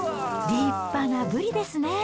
立派なブリですね。